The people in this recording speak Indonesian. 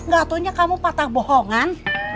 gak taunya kamu patah bohongan